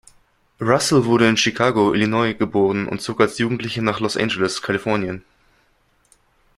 Russell wurde in Chicago, Illinois geboren und zog als Jugendliche nach Los Angeles, Kalifornien.